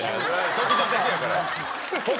特徴的やからや。